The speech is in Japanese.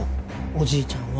おじいちゃんは